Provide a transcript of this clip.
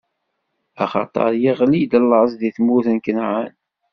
Axaṭer iɣli-d laẓ di tmurt n Kanɛan.